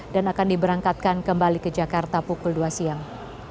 dan akan diberangkatkan kembali ke jakarta pukul dua siang